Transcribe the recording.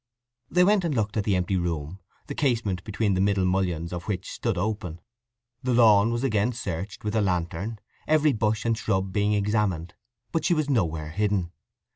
They went and looked at the empty room, the casement between the middle mullions of which stood open. The lawn was again searched with a lantern, every bush and shrub being examined, but she was nowhere hidden.